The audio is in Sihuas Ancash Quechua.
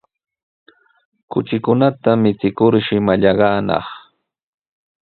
Kuchikunata michikurshi mallaqnanaq.